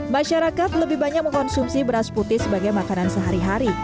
masyarakat lebih banyak mengkonsumsi beras putih sebagai makanan sehari hari